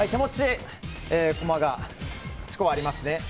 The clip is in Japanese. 手持ち、駒が８個ありますね。